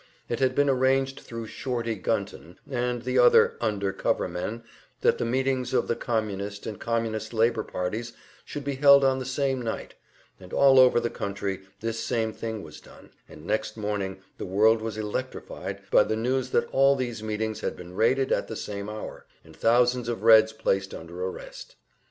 It had been arranged thru "Shorty" Gunton and the other "under cover" men that the meetings of the Communist and Communist Labor parties should be held on the same night; and all over the country this same thing was done, and next morning the world was electrified by the news that all these meetings had been raided at the same hour, and thousands of Reds placed under arrest.